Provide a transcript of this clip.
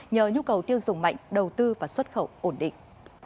nhờ nhu cầu tiêu dùng mạnh đầu tư và xuất khẩu ổn định